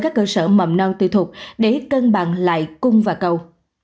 các cơ sở mầm non tư thuộc để cân bằng lại cung và cầu